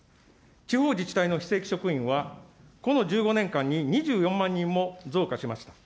地方自治体の非正規職員は、この１５年間に２４万人も増加しました。